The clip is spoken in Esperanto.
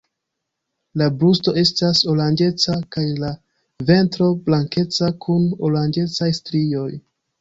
La brusto estas oranĝeca, kaj la ventro blankeca kun oranĝecaj strioj.